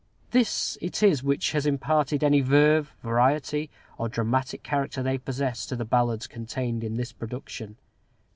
This it is which has imparted any verve, variety, or dramatic character they possess, to the ballads contained in this production.